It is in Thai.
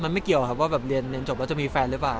มันไม่เกี่ยวครับว่าแบบเรียนจบแล้วจะมีแฟนหรือเปล่า